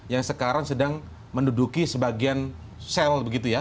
yang sekarang sedang menduduki sebagian sel begitu ya